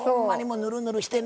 ぬるぬるしてね。